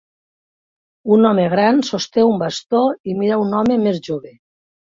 Un home gran sosté un bastó i mira un home més jove.